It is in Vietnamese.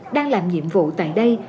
đang làm nhiệm vụ tại đây